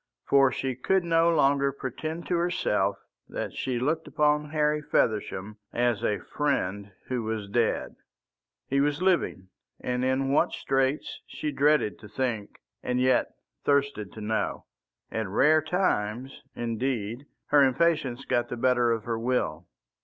For she could no longer pretend to herself that she looked upon Harry Feversham as a friend who was dead. He was living, and in what straits she dreaded to think, and yet thirsted to know. At rare times, indeed, her impatience got the better of her will.